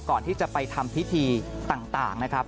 ก่อนที่จะไปทำพิธีต่างนะครับ